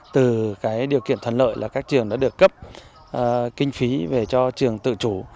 từ cái điều kiện thuận lợi là các trường đã được cấp kinh phí về cho trường tự chủ